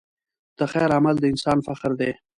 د خیر عمل د انسان فخر دی.